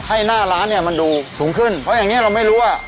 ให้หน้าร้านเนี่ยมันดูสูงขึ้นเพราะอย่างนี้เราไม่รู้ว่า